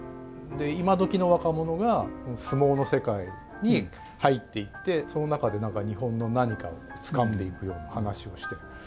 今どきの若者が相撲の世界に入っていってその中で何か日本の何かをつかんでいくような話をして。